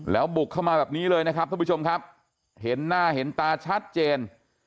แล้วบุกเข้ามาแบบนี้เลยนะครับท่านผู้ชมครับเห็นหน้าเห็นตาชัดเจน